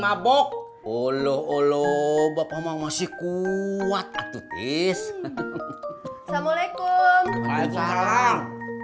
masih kuat atutis assalamualaikum waalaikumsalam